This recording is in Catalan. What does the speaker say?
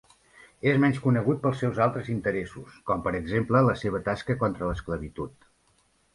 És menys conegut pels seus altres interessos, com per exemple la seva tasca contra l'esclavitud.